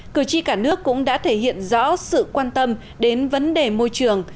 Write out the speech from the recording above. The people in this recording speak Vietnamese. cử tri cả nước cũng đã thể hiện rõ sự quan tâm đến vấn đề môi trường